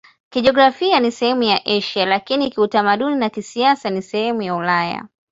Kijiografia ni sehemu ya Asia, lakini kiutamaduni na kisiasa ni sehemu ya Ulaya.